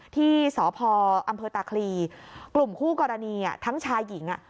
ที่สพอำเภอตาคลีกลุ่มคู่กรณีทั้งชายหญิง